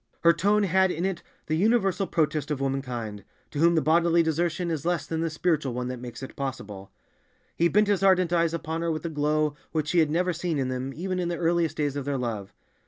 Her tone had in it the universal protest of womankind, to whom the bodily desertion is less than the spiritual one that makes it possible. He bent his ardent eyes upon her with a glow which she had never seen in them even in the earliest days of their love.